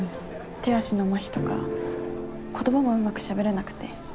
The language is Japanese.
手足のまひとか言葉もうまくしゃべれなくて。